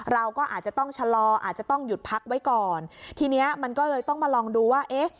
เราก็อาจจะต้องชะลออาจจะต้องหยุดพักไว้ก่อนทีเนี้ยมันก็เลยต้องมาลองดูว่าเอ๊ะ